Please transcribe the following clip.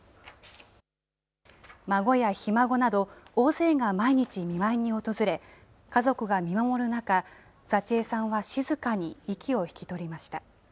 孫やひ孫など、大勢が毎日見舞いに訪れ、家族が見守る中、佐千江さんは静かに息を引き取りました。